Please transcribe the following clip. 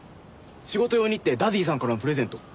仕事用にってダディさんからのプレゼント。